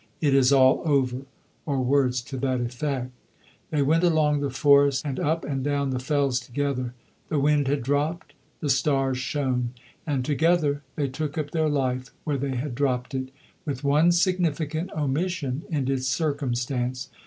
It is all over," or words to that effect. They went along the forest and up and down the fells together. The wind had dropped, the stars shone. And together they took up their life where they had dropped it, with one significant omission in its circumstance.